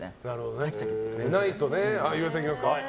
岩井さん、いきますか。